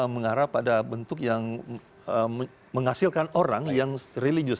mengarah pada bentuk yang menghasilkan orang yang religius